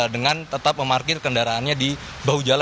dengan tetap memarkir kendaraannya di bahu jalan